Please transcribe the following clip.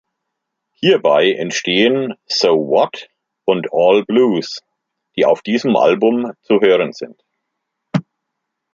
Hierbei entstehen "So What" und "All Blues", die auf diesem Album zu hören sind.